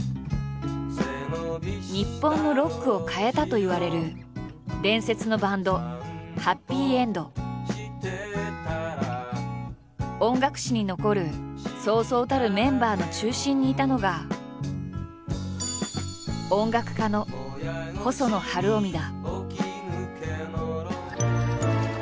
日本のロックを変えたといわれる伝説のバンド音楽史に残るそうそうたるメンバーの中心にいたのが音楽家の細野晴臣だ。